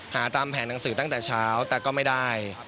หาตามแผนหนังสือตั้งแต่เช้าแต่ก็ไม่ได้